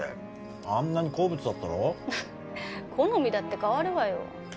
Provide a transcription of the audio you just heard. あんなに好物だったろ好みだって変わるわよ